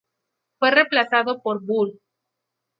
Fue reemplazado por "Bull.